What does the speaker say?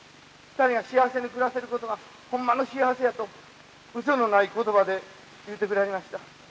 ２人が幸せに暮らせることがホンマの幸せや」とうそのない言葉で言うてくれはりました。